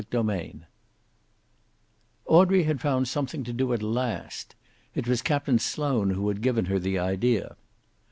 CHAPTER XXXVI Audrey had found something to do at last. It was Captain Sloane who had given her the idea.